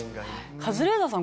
カズレーザーさん